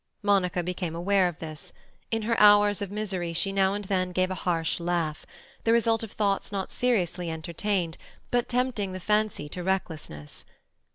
Monica became aware of this; in her hours of misery she now and then gave a harsh laugh, the result of thoughts not seriously entertained, but tempting the fancy to recklessness.